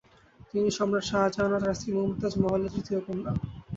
তিনি সম্রাট শাহজাহান ও তার স্ত্রী মুমতাজ মহলের তৃতীয় কন্যা।